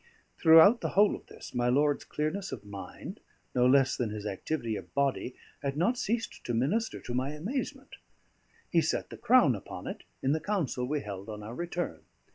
Throughout the whole of this, my lord's clearness of mind, no less than his activity of body, had not ceased to minister to my amazement. He set the crown upon it in the council we held on our return.